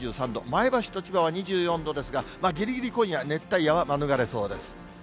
前橋と千葉は２４度ですが、ぎりぎり今夜、熱帯夜は免れそうです。